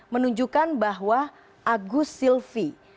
menunjukkan bahwa agus silvi